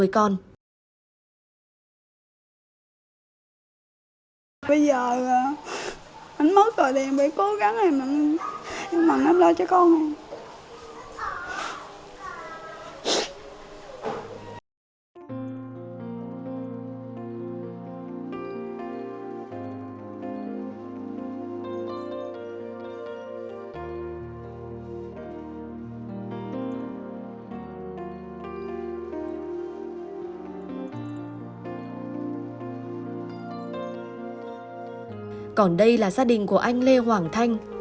còn đây là gia đình của anh lê hoàng thanh